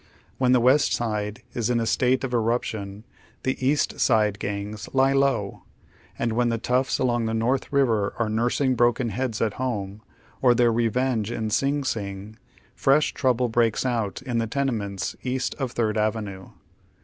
When tiie West Side is in a state of eruption, the East Side gangs " lie low," and when tlie toughs along the North River are nursing bi oken lieads at home, or their revenge in Sing Sing, fresh trouble breaks out in the tenements east of Third Avenue.